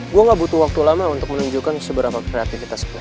gue gak butuh waktu lama untuk menunjukkan seberapa kreatifitas gue